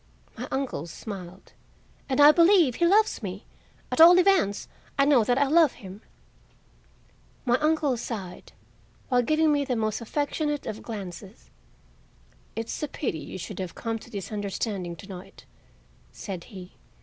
My uncle smiled. "And I believe he loves me; at all events, I know that I love him." My uncle sighed, while giving me the most affectionate of glances. "It's a pity you should have come to this understanding to night," said he.